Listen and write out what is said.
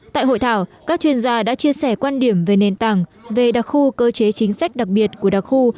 tại hội thảo các chuyên gia đã chia sẻ quan điểm về nền tảng về đặc khu cơ chế chính sách đặc biệt của đặc khu